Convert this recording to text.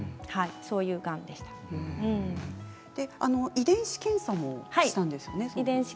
遺伝子検査もしたんですよね。